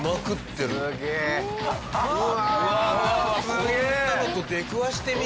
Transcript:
こんなのと出くわしてみ？